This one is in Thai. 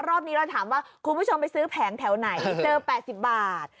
รอบนี้เราถามว่าคุณผู้ชมไปซื้อแผงแถวไหนเจอ๘๐บาท